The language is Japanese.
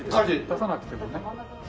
出さなくてもね。